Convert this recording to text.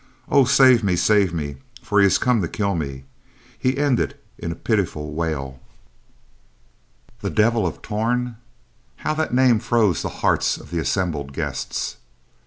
"Oh, save me, save me! for he has come to kill me," he ended in a pitiful wail. The Devil of Torn! How that name froze the hearts of the assembled guests.